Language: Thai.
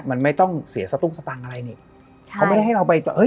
มันไม่ต้องเสียสักตุ๊กสักตังอะไรเนี้ยเขาไม่ได้ให้เราไปเอ้ย